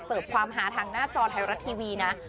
ความหาทางหน้าจอไทยรัฐทีวีนะ